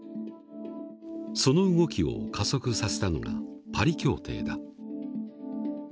その動きを加速させたのがパリ協定だ。